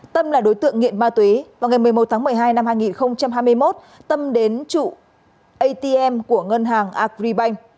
tâm là đối tượng nghiện ma túy vào ngày một mươi một tháng một mươi hai năm hai nghìn hai mươi một tâm đến trụ atm của ngân hàng agribank